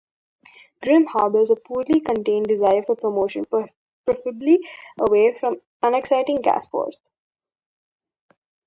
Grim harbours a poorly-contained desire for promotion, preferably away from unexciting Gasforth.